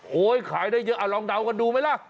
ขายได้เยอะลองเดากันดูไหมล่ะ